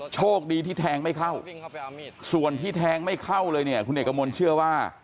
โชคดีที่แทงไม่เข้าส่วนที่แทงไม่เข้าเลยเนี่ยคุณเอกมลเชื่อว่า